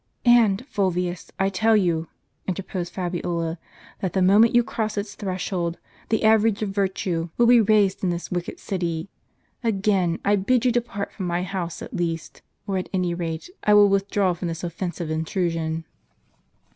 " And, Fulvius, I tell you," interposed Fabiola, " that the moment you cross its threshold, the average of virtue will be raised in this wicked city. Again I bid you depart from my house, at least ; or at any rate I will withdraw from this oifen sive intrusion."